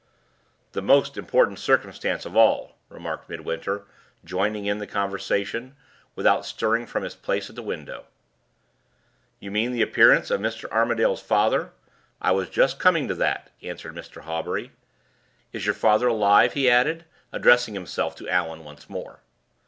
"The most important circumstance of all," remarked Midwinter, joining in the conversation, without stirring from his place at the window. "You mean the appearance of Mr. Armadale's father? I was just coming to that," answered Mr. Hawbury. "Is your father alive?" he added, addressing himself to Allan once more.